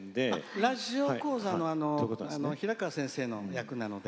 ラジオ講座の平川先生の役なので。